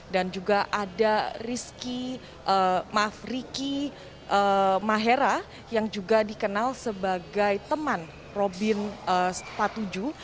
dan juga ada rizky maaf riki mahera yang juga dikenal sebagai teman robin patuju